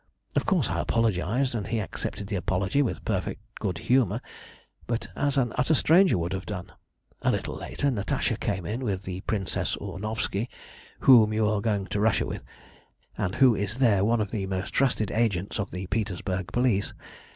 "Of course I apologised, and he accepted the apology with perfect good humour, but as an utter stranger would have done. A little later Natasha came in with the Princess Ornovski, whom you are going to Russia with, and who is there one of the most trusted agents of the Petersburg police.